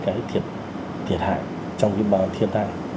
cái thiệt hại trong cái thiên tai